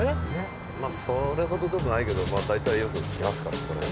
まあそれほどでもないけど大体よく来ますからこの辺は。